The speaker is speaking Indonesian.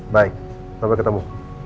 baik sampai ketemu